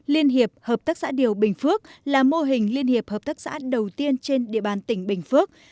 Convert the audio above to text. liên hiệp hợp tác xã điều bình phước là mô hình liên hiệp hợp tác xã đầu tiên trên địa bàn tỉnh bình phước